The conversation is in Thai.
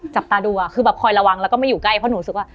จับตาดูคือแบบคอยระวังแล้วก็ไม่อยู่ใกล้เพราะหนูรู้สึกว่า